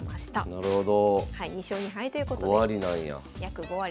なるほど。